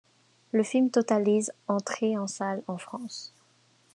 Le film totalise entrées en salles en France.